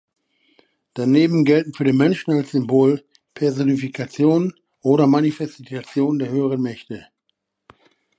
Daneben gelten für den Menschen als Symbol, Personifikation oder Manifestation der höheren Mächte.